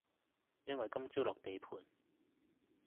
因為今朝落地盤